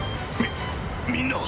みみんなは。